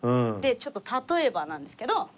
ちょっと例えばなんですけど。